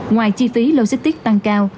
ngoài chi phí logistic tăng cao